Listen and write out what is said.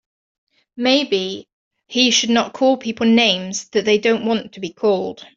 Maybe he should not call people names that they don't want to be called.